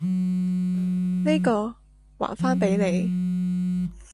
呢個，還返畀你！